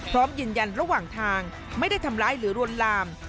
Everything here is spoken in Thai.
พร้อมยืนยันระหว่างทางไม่ได้ทำร้ายหรือลวนลาม